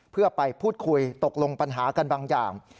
เพื่อไปพูดคุยตกลงปัญหากันบางอย่าง